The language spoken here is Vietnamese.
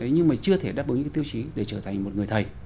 nhưng mà chưa thể đáp ứng những tiêu chí để trở thành một người thầy